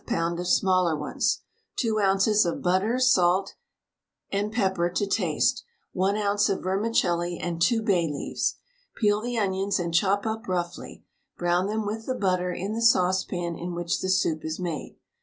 of smaller ones, 2 oz. of butter, pepper and salt to taste, 1 oz. of vermicelli and 2 bay leaves. Peel the onions and chop up roughly; brown them with the butter in the saucepan in which the soup is made.